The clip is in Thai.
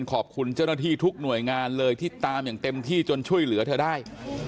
ขอบคุณเจ้าหน้าที่ทุกหน่วยงานเลยที่ตามอย่างเต็มที่จนช่วยเหลือเธอได้